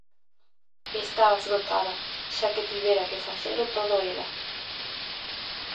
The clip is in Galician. Estaba esgotada, xa que tivera que facelo todo ela.